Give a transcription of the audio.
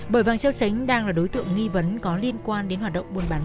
bởi vàng xeo sánh đang là đối tượng nghi vấn có liên quan đến hoạt động buôn bán ma túy